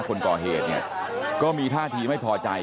คนก่อเหตุเนี่ยก็มีท่าทีไม่พอใจ